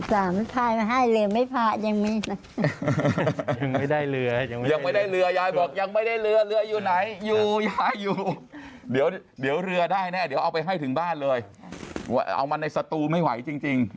สามพายมาให้เรือไม่พายังมีเลยยังไม่ได้เรือยังไม่ได้เรือยายบอกยังไม่ได้เรือเรืออยู่ไหนอยู่ยายอยู่เดี๋ยวเดี๋ยวเรือได้แน่เดี๋ยวเอาไปให้ถึงบ้านเลยเอามาในสตูไม่ไหวจริงจริง